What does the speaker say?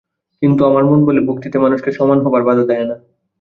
কিন্তু আমার মন বলে, ভক্তিতে মানুষকে সমান হবার বাধা দেয় না।